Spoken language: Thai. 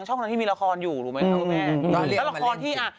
จะเจอมึงอ่ะ